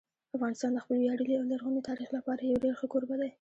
افغانستان د خپل ویاړلي او لرغوني تاریخ لپاره یو ډېر ښه کوربه دی.